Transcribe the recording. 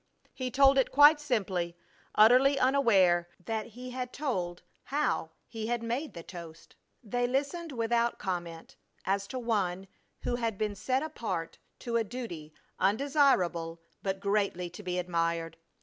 He told it quite simply, utterly unaware, that he had told how he had made the toast. They listened without comment as to one who had been set apart to a duty undesirable but greatly to be admired.